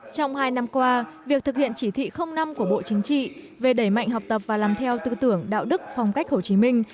trong hai năm qua việc thực hiện chỉ thị năm của bộ chính trị về đẩy mạnh học tập và làm theo tư tưởng đạo đức phong cách hồ chí minh